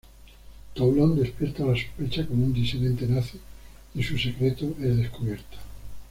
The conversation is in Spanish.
Toulon despierta la sospecha como un disidente nazi, y su secreto es descubierto.